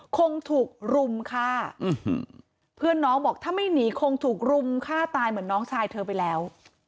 คงถูกรุมฆ่าเพื่อนน้องบอกถ้าไม่หนีคงถูกรุมฆ่าตายเหมือนน้องชายเธอไปแล้ว